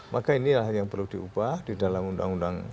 maka inilah yang perlu diubah di dalam undang undang